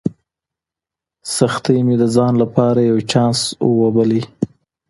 سختۍ مې د ځان لپاره یو چانس وباله.